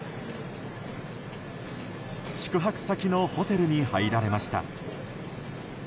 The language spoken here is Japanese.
宿泊先のホテルに入られました。